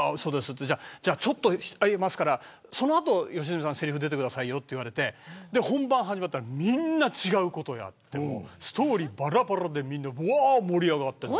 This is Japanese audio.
ちょっとやりますからその後、良純さんせりふ出てくださいよと言われて本番始まったらみんな違うことをやってストーリーばらばらでみんな盛り上がって。